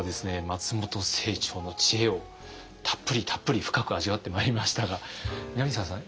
松本清張の知恵をたっぷりたっぷり深く味わってまいりましたが南沢さん